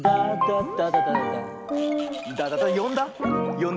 よんだ？